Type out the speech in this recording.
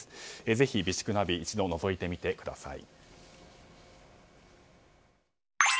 ぜひ備蓄ナビを一度、のぞいてみてください。